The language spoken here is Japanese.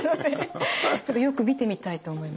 今度よく見てみたいと思います。